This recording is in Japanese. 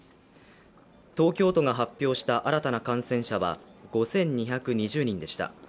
東京都が発表した新たな感染者は５２２０人でした。